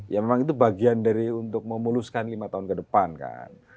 ya memang itu bagian dari untuk memuluskan lima tahun ke depan kan